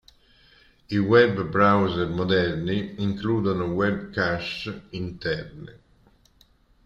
I web browser moderni includono web cache interne.